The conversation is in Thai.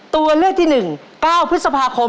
ตัวเลือกที่หนึ่ง๙พฤษภาคม๒๔๔๘ครับ